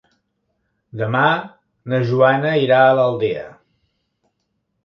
Demà na Joana irà a l'Aldea.